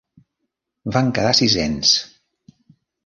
Van quedar sisens.